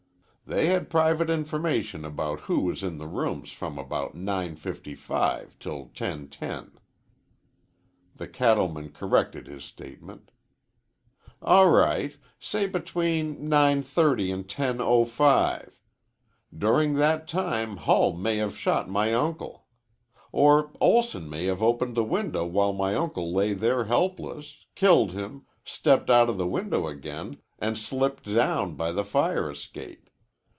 They had private information about who was in the rooms from about 9.55 till 10.10. The cattleman corrected his statement. "All right, say between 9.30 and 10.05. During that time Hull may have shot my uncle. Or Olson may have opened the window while my uncle lay there helpless, killed him, stepped outa the window again, an' slipped down by the fire escape.